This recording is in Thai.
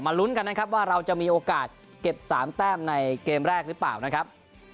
ลุ้นกันนะครับว่าเราจะมีโอกาสเก็บ๓แต้มในเกมแรกหรือเปล่านะครับ